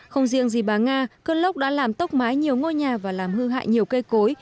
không riêng gì bà nga cơn lốc đã làm tốc mái nhiều ngôi nhà và làm hư hại nhiều cây cối